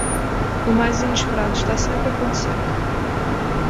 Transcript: O mais inesperado está sempre acontecendo.